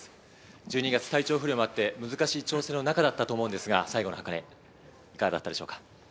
１２月、体調不良もあって難しい調整の中だったと思いますが、最後の箱根、どうでしたか？